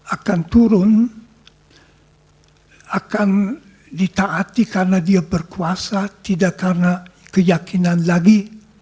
akan turun akan ditaati karena dia berkuasa tidak karena keyakinan lagi